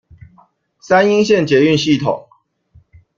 三鶯線捷運系統